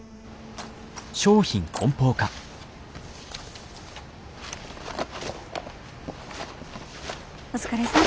ああお疲れさん。